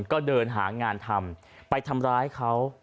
ก็เดินหางานทำไปทำร้ายเขา